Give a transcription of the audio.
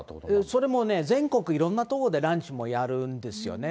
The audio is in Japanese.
それもね、全国いろんな所でランチもやるんですよね。